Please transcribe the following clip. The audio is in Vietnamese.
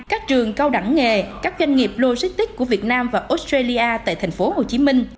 các trường cao đẳng nghề các doanh nghiệp logistics của việt nam và australia tại thành phố hồ chí minh